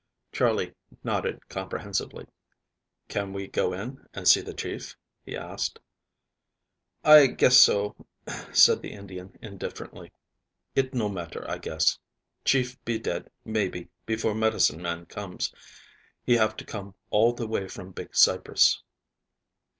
Charley nodded comprehensively. "Can we go in and see the chief?" he asked. "I guess so," said the Indian indifferently. "It no matter, I guess. Chief be dead, maybe, before medicine man comes. He have to come all the way from Big Cypress."